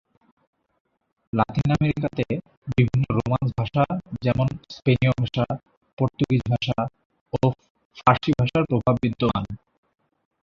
লাতিন আমেরিকাতে বিভিন্ন রোমান্স ভাষা যেমন স্পেনীয় ভাষা, পর্তুগিজ ভাষা ও ফরাসি ভাষার প্রভাব বিদ্যমান।